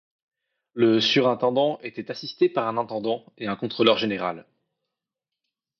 Le surintendant était assisté par un intendant et un contrôleur général.